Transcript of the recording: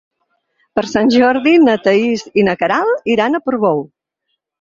Per Sant Jordi na Thaís i na Queralt iran a Portbou.